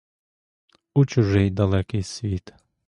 У чужий, далекий світ.